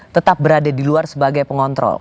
tetap berada di luar sebagai pengontrol